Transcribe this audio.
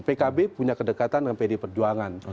pkb punya kedekatan dengan pd perjuangan